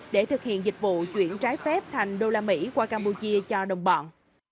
để thực hiện dịch vụ chuyển trái phép thành đô la mỹ qua campuchia cho đồng bọn